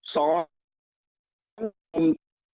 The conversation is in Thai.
สอง